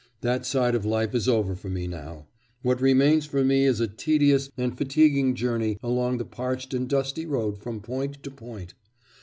That side of life is over for me now. What remains for me is a tedious and fatiguing journey along the parched and dusty road from point to point...